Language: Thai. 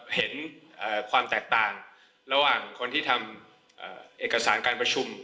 เห็นความแตกต่างระหว่างคนที่ทำเอกสารการประชุม